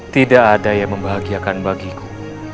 tidak ada yang membahagiakan bagiku